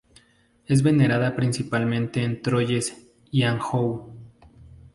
Es venerada principalmente en Troyes y Anjou.